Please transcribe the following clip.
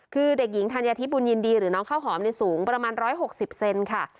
คือเด็กหญิงธัญธิบุญยินดีหรือน้องข้าวหอมสูงประมาณ๑๖๐เซนค่ะ